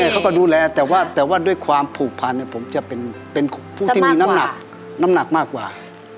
เขาก็ดูแลแต่ว่าด้วยความผูกพันผมจะเป็นผู้ที่มีน้ำหนักน้ำหนักมากกว่า